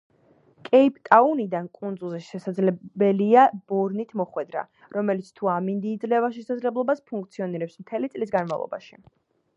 კეიპტაუნიდან კუნძულზე შესაძლებელია ბორნით მოხვედრა, რომელიც, თუ ამინდი იძლევა შესაძლებლობას, ფუნქციონირებს მთელი წლის განმავლობაში.